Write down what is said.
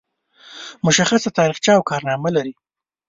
مشخصه تاریخچه او کارنامه لري.